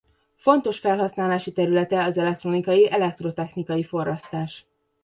Fontos felhasználási területe az elektronikai-elektrotechnikai forrasztás.